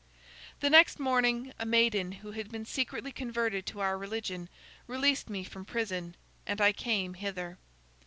"The next morning, a maiden who had been secretly converted to our religion released me from prison, and I came hither."